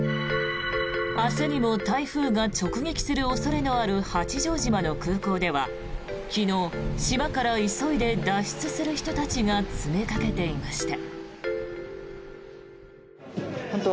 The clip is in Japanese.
明日にも台風が直撃する恐れのある八丈島の空港では昨日、島から急いで脱出する人たちが詰めかけていました。